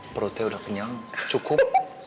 perutnya udah kenyang cukup